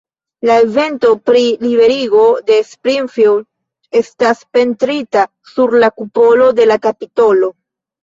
La evento pri liberigo de Springfield estas pentrita sur la kupolo de la kapitolo.